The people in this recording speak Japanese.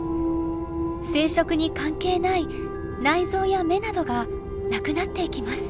生殖に関係ない内臓や目などがなくなっていきます。